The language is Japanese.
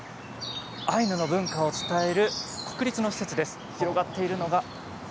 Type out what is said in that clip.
アイヌの文化を伝える国立の施設です。